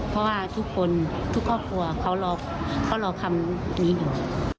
เพราะว่าทุกคนทุกครอบครัวเขารอคำนี้อยู่